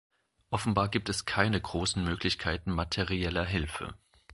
Offenbar gibt es keine großen Möglichkeiten materieller Hilfe.